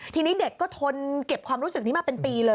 ทีนี้เด็กก็ทนเก็บความรู้สึกนี้มาเป็นปีเลย